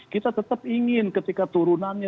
kita tetap ingin ketika turunannya